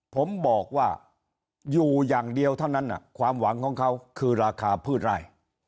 ผมบอกว่าอยู่อย่างเดียวเท่านั้นความหวังของเขาคือราคาพืชไร่